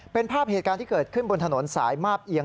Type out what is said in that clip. เป็นภาพเหตุการณ์ที่เกิดขึ้นบนถนนสายมาบเอียง